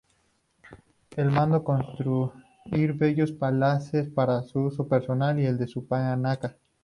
Él mandó construir bellos palacetes para su uso personal y el de su panaca.